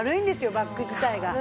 バッグ自体が。